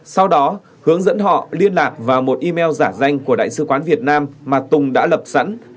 sau đó hướng dẫn họ liên lạc vào một email giả danh của đại sứ quán việt nam mà tùng đã lập sẵn